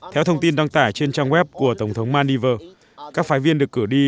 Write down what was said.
theo thông tin đăng tải trên trang web của tổng thống maldives các phái viên được cử đi